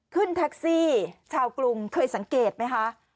ขึ้นแท็กซี่ชาวกรุงเคยสังเกตไหมคะ